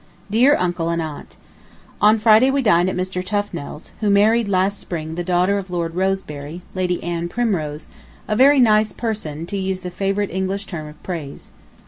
DEAR UNCLE AND AUNT: On Friday we dined at Mr. Tufnell's, who married last spring the daughter of Lord Rosebery, Lady Anne Primrose, a very "nice person," to use the favorite English term of praise.